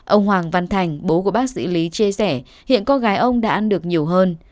ông hoàng văn thành bố của bác sĩ lý chia sẻ hiện con gái ông đã ăn được nhiều hơn